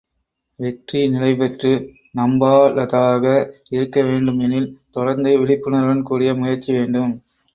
வெற்றி நிலைபெற்று நம்பாலதாக இருக்க வேண்டும் எனில், தொடர்ந்து விழிப்புணர்வுடன் கூடிய முயற்சி வேண்டும்.